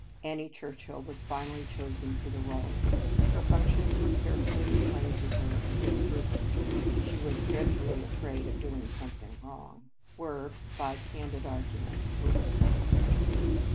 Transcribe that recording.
Annie Churchill was finally chosen for the role. Her functions were carefully ex plained to her, and her scruples she was dreadfully afraid of doing some thing wrong were, by candid argu ment, overcome.